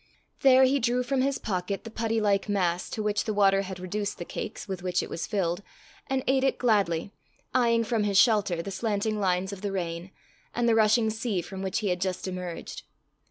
There he drew from his pocket the putty like mass to which the water had reduced the cakes with which it was filled, and ate it gladly, eyeing from his shelter the slanting lines of the rain, and the rushing sea from which he had just emerged.